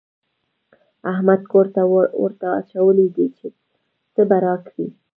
احمد کوری ورته اچولی دی چې څه به راکړي.